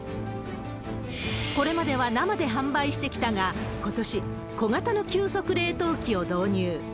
これまでは生で販売してきたが、ことし、小型の急速冷凍機を導入。